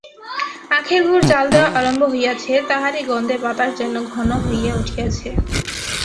আখের গুড় জ্বাল দেওয়া আরম্ভ হইয়াছে, তাহারই গন্ধে বাতাস যেন ঘন হইয়া উঠিয়াছে।